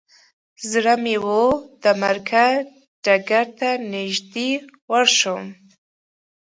زړه مې و د معرکې ډګر ته نږدې ورشم.